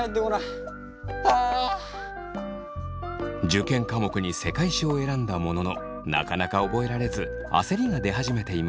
受験科目に世界史を選んだもののなかなか覚えられず焦りが出始めていました。